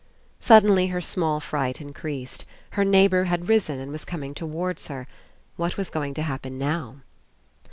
Suddenly her small fright Increased. Her neighbour had risen and was coming towards her. What was going to happen now?